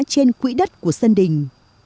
trên quỹ đất của sơn đình